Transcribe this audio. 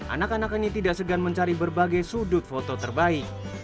anak anak ini tidak segan mencari berbagai sudut foto terbaik